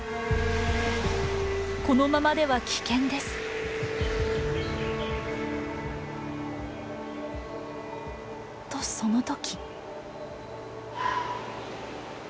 このままでは危険です。とその時。